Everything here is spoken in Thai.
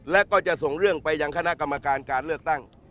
และก็จะส่งเรื่องไปยังคณะกรรมการการเลือกตั้ง